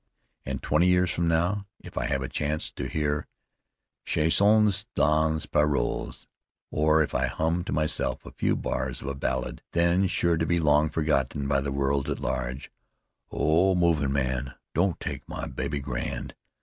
And twenty years from now, if I chance to hear the "Chansons sans Paroles," or if I hum to myself a few bars of a ballad, then sure to be long forgotten by the world at large, "Oh, movin' man, don't take ma baby grand!"